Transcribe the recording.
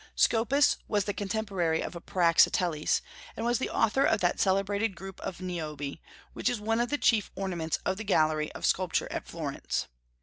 Scopas was the contemporary of Praxiteles, and was the author of the celebrated group of Niobe, which is one of the chief ornaments of the gallery of sculpture at Florence.